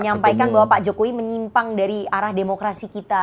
menyampaikan bahwa pak jokowi menyimpang dari arah demokrasi kita